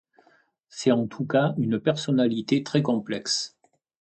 C'est en tout cas une personnalité très complexe.